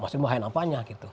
masih membahayakan apanya gitu